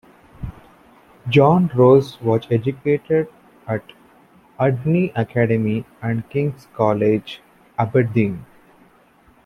John Rose was educated at Udny Academy and King's College, Aberdeen.